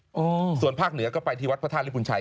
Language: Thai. โอ้ส่วนภาคเหนือก็ไปที่วัดพระท่านริมพูลชัย